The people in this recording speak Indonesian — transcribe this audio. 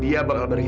dia bakal beri anak